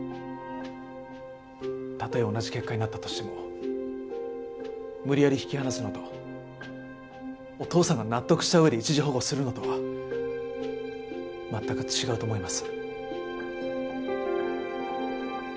たとえ同じ結果になったとしても無理やり引き離すのとお父さんが納得した上で一時保護するのとは全く違うと思います。